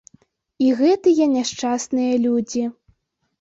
І гэтыя няшчасныя людзі.